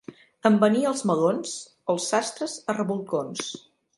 En venir els melons, els sastres a rebolcons.